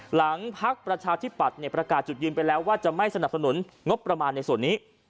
หลังพักประชาธิปัตย์ประกาศจุดยืนไปแล้วว่าจะไม่สนับสนุนงบประมาณในส่วนนี้